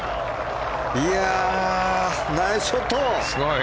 ナイスショット！